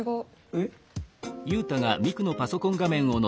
えっ？